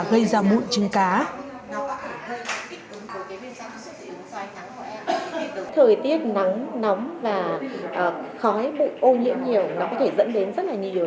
gây ra mụn chứng cá thời tiết nắng nóng và khói bụi ô nhiễm nhiều nó có thể dẫn đến rất là nhiều